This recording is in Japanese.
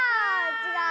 ちがう！